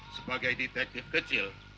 sebagai detektif kecil